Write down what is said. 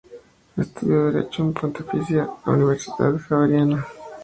Estudió derecho en la Pontificia Universidad Javeriana.